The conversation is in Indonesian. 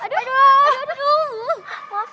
aduh aduh aduh